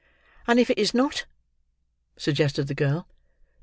"And if it is not?" suggested the girl.